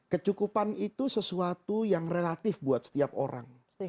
kecukupan itu sesuatu yang relatif buat setiap orang